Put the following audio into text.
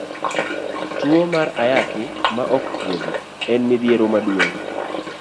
Tuo mar Ayaki ma ok thiedhi en midhiero maduong'.